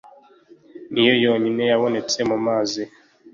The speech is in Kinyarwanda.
niyo yonyine yabonetse mu mazi.